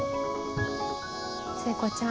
聖子ちゃん。